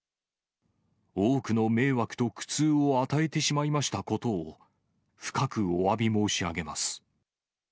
多くの迷惑と苦痛を与えてしまいましたことを、深くおわび申し上げます。